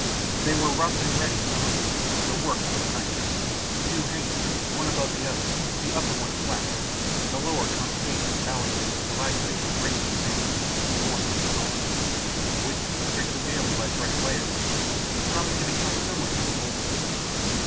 They were rough and ready summaries, the work of a night. Two hangings, one above the other, the upper one flat, the lower concave and ballasted with stalactites of grains of sand, formed the new home, which, strengthened daily by fresh layers, promised to become similar to the old one.